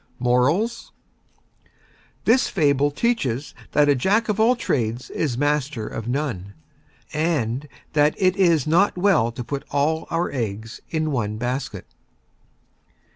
MORALS: This Fable teaches that a Jack of all Trades is Master of None, and that It Is Not Well to put All our Eggs in One Basket.